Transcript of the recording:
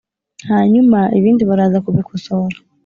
hanyuma ibindi baraza kubikosora